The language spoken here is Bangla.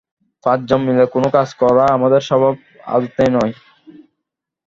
পাঁচজন মিলে কোন কাজ করা আমাদের স্বভাব আদতেই নয়।